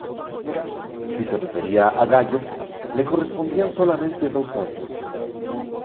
Si se refería a Gallo, le correspondían solamente dos años.